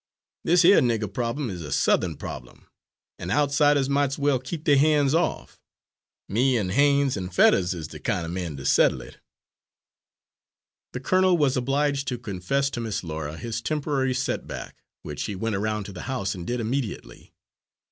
This here nigger problem is a South'en problem, and outsiders might's well keep their han's off. Me and Haines an' Fetters is the kind o' men to settle it." The colonel was obliged to confess to Miss Laura his temporary setback, which he went around to the house and did immediately.